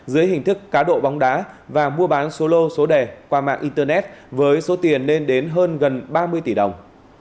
dưới hình thức cá độ bóng đá và mua bán số lô số đề qua mạng internet với số tiền lên đến hơn gần ba mươi tỷ đồng